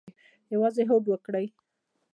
یوازې هوډ وکړئ